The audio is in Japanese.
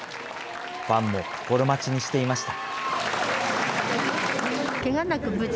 ファンも心待ちにしていました。